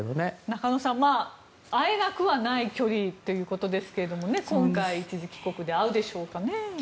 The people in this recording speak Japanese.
中野さん、会えなくはない距離ということですが今回、一時帰国で会うでしょうかね。